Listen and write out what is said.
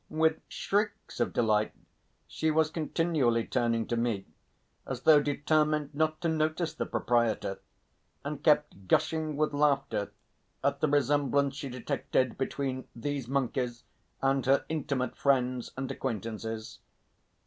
With shrieks of delight she was continually turning to me, as though determined not to notice the proprietor, and kept gushing with laughter at the resemblance she detected between these monkeys and her intimate friends and acquaintances.